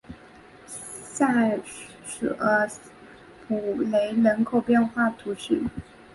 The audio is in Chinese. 塞舍普雷人口变化图示